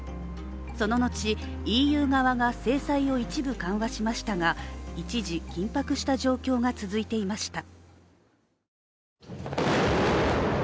その後、ＥＵ側が制裁を一部緩和しましたが、一時、緊迫した状況が続いていました。